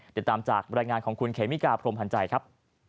เดี๋ยวตามจากรายงานของคุณเคมิกาพรมหัญใจครับ